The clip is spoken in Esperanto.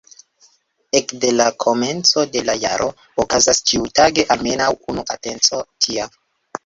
Ekde la komenco de la jaro okazas ĉiutage almenaŭ unu atenco tia.